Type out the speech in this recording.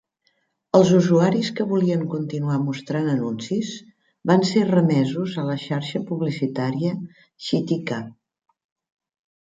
Els usuaris que volien continuar mostrant anuncis van ser remesos a la xarxa publicitària Chitika.